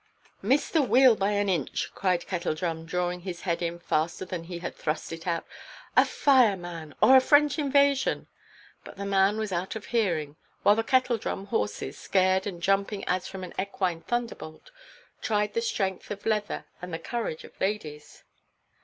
"Missed the wheel by an inch," cried Kettledrum, drawing his head in faster than he had thrust it out; "a fire, man, or a French invasion?" But the man was out of hearing, while the Kettledrum horses, scared, and jumping as from an equine thunderbolt, tried the strength of leather and the courage of ladies.